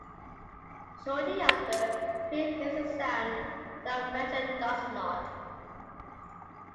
Shortly after, Craig hears a sound, though Fletcher does not.